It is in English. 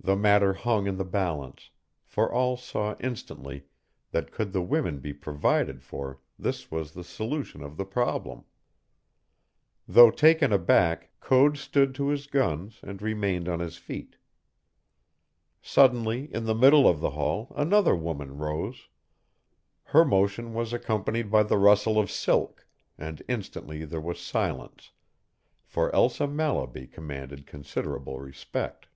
The matter hung in the balance, for all saw instantly that could the women be provided for this was the solution of the problem. Though taken aback, Code stood to his guns and remained on his feet. Suddenly in the middle of the hall another woman rose. Her motion was accompanied by the rustle of silk, and instantly there was silence, for Elsa Mallaby commanded considerable respect.